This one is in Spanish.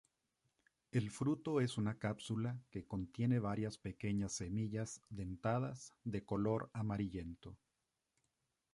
El fruto es una cápsula que contiene varias pequeñas semillas dentadas de color amarillento.